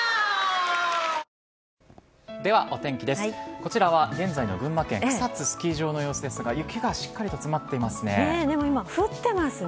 こちらは現在の群馬県草津スキー場の様子ですが、雪がしっかりと積もっていますね。